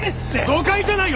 誤解じゃない！